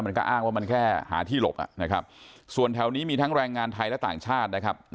มันก็อ้างว่ามันแค่หาที่หลบนะครับส่วนแถวนี้มีทั้งแรงงานไทยและต่างชาตินะครับ